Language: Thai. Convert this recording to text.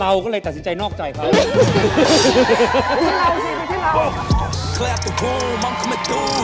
เราก็เลยตัดสินใจนอกใจค่ะ